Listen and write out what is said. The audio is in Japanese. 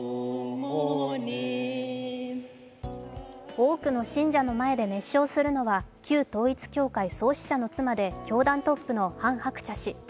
多くの信者の前で熱唱するのは旧統一教会創始者の妻で教団トップのハン・ハクチャ氏。